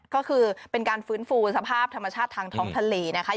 ก็คือเป็นการฟื้นฟูสภาพธรรมชาติทางท้องทะเลนะคะ